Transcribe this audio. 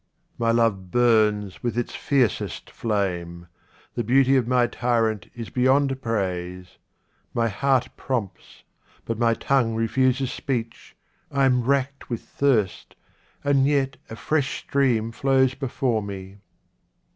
My love burns with its fiercest flame. The beauty of my tyrant is beyond praise. My 80 QUATRAINS OF OMAR KHAYYAM heart prompts, but my tongue refuses speech. I am racked with thirst, and yet a fresh stream flows before me.